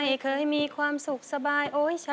เลือกแผ่นที่๑ค่ะ